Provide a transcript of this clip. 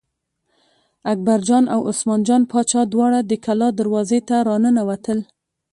اکبرجان او عثمان جان باچا دواړه د کلا دروازې ته را ننوتل.